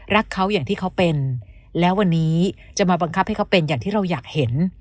รักเขาอย่างที่เขาเป็นแล้ววันนี้จะมาบังคับให้เขาเป็นอย่างที่เราอยากเห็น